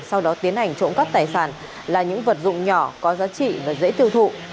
sau đó tiến hành trộm cắp tài sản là những vật dụng nhỏ có giá trị và dễ tiêu thụ